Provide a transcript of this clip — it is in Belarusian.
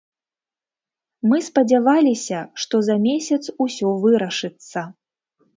Мы спадзяваліся, што за месяц усё вырашыцца.